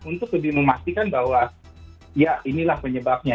untuk lebih memastikan bahwa ya inilah penyebabnya